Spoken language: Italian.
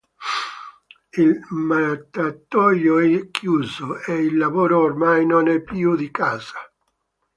Il mattatoio è chiuso, e il lavoro ormai non è più di casa.